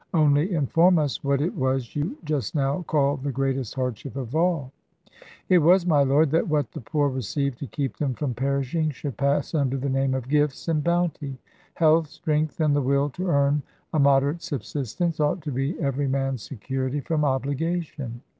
Only inform us what it was you just now called the greatest hardship of all." "It was, my lord, that what the poor receive to keep them from perishing should pass under the name of gifts and bounty. Health, strength, and the will to earn a moderate subsistence, ought to be every man's security from obligation."